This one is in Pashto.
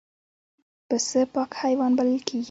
پسه پاک حیوان بلل کېږي.